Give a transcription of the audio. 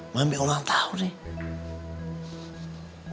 mami orang tahu nih